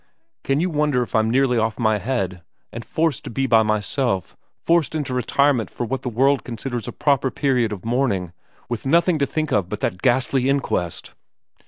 * Can you wonder if I'm nearly off my head ? And forced to be by myself forced into retirement for what the world considers a proper period of mourning, with nothing to think of but that ghastly inquest.'